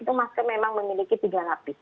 itu masker memang memiliki tiga lapis